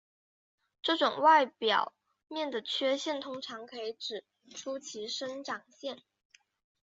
这种外表面的缺陷通常可以指出其生长线。